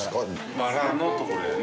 バラのとこやね。